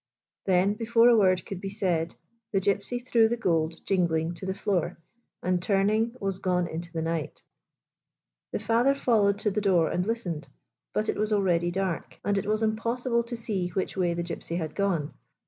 Then, before a word could be said, the Gypsy threw the gold, jingling, to the floor, and, turn ing, was gone into the night. 93 GYPSY, THE TALKING DOG The father followed to the door and listened. But it was already dark, and it was impossible to see which way the Gypsy had gone.